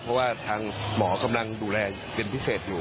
เพราะว่าทางหมอกำลังดูแลเป็นพิเศษอยู่